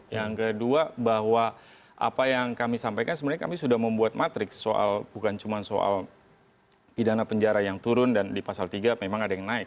yang kedua bahwa apa yang kami sampaikan sebenarnya kami sudah membuat matrik soal bukan cuma soal pidana penjara yang turun dan di pasal tiga memang ada yang naik